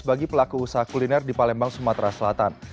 bagi pelaku usaha kuliner di palembang sumatera selatan